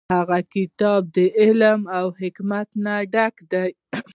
هغه کتاب د علم او حکمت ډک و.